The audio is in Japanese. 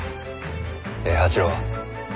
平八郎。